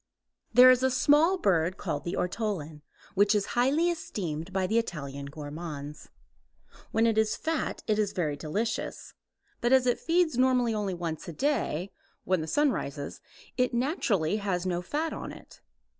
There is a small bird called the ortolan, which is highly esteemed by the Italian gourmands. When it is fat it is very delicious, but as it feeds normally only once a day, when the sun rises, it naturally has no fat on it.